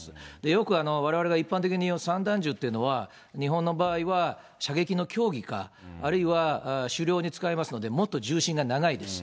よく、われわれが一般的に言う、散弾銃っていうのは、日本の場合は射撃の競技か、あるいは狩猟に使いますので、もっと銃身が長いです。